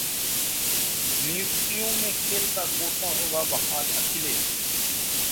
नियुक्तियों में खेल का कोटा होगा बहाल: अखिलेश